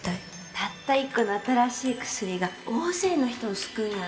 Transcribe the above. たった１個の新しい薬が大勢の人を救うのよ